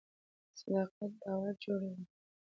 صداقت باور جوړوي